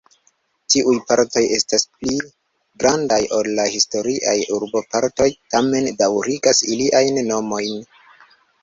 Tiuj partoj estas pli grandaj ol la historiaj urbopartoj, tamen daŭrigas iliajn nomojn.